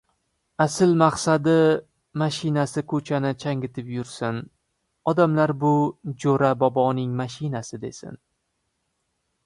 Asl maqsadi — mashinasi ko‘chani changitib yursin, odamlar bu Jo‘ra boboning mashinasi, desin.